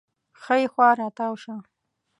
ښي خوا راتاو شه